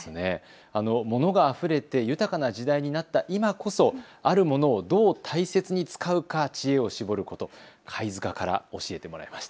物があふれて豊かな時代になった今こそあるものをどう大切に使うか知恵を絞ること、貝塚から教えてもらいました。